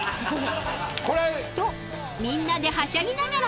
［とみんなではしゃぎながら］